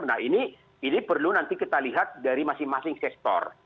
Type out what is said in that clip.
nah ini perlu nanti kita lihat dari masing masing sektor